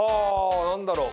何だろう？